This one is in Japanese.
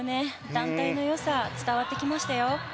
団体のよさ伝わってきましたよ。